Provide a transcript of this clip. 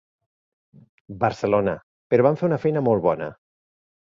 Barcelona però van fer una feina molt bona.